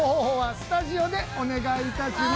スタジオでお願いいたします。